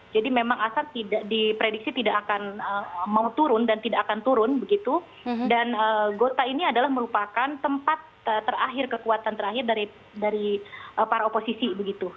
jadi memang assad diprediksi tidak akan mau turun dan tidak akan turun begitu dan gota ini adalah merupakan tempat terakhir kekuatan terakhir dari para oposisi begitu